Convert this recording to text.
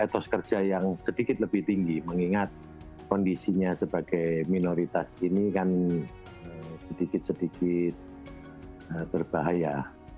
etos kerja yang sedikit lebih tinggi mengingat kondisinya sebagai minoritas ini kan sedikit sedikit berbahaya